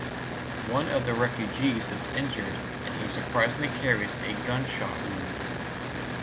One of the refugees is injured and he surprisingly carries a gunshot wound.